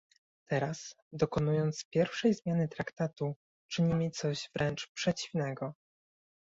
Teraz, dokonując pierwszej zmiany Traktatu, czynimy coś wręcz przeciwnego